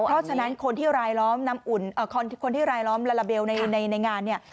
เพราะฉะนั้นคนที่รายล้อมน้ำอุ่นคนที่รายล้อมลาลาเบลในงานเนี่ย